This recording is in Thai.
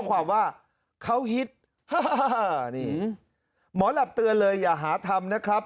ข่อความว่าเขาฮิตนี่หมอลับเตือนเลยอย่าหาตามนะครับ